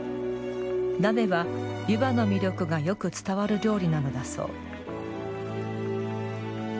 鍋は、湯葉の魅力がよく伝わる料理なのだそう。